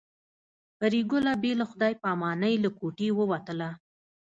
پري ګله بې له خدای په امانۍ له کوټې ووتله